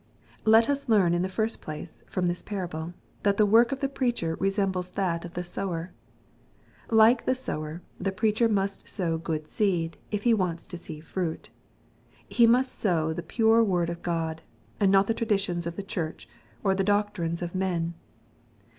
Let us learn, in the first place, from this parable, that the work of the preacher resembles that of the sower. Like the sower, the preacher must sow good seed, if he wants to see fruit. He must sow the pure word of God, and not the traditions of the church, or the doc trines of men.